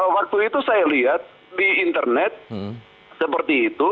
waktu itu saya lihat di internet seperti itu